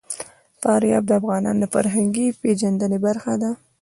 فاریاب د افغانانو د فرهنګي پیژندنې برخه ده.